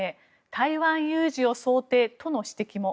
台湾有事を想定との指摘も。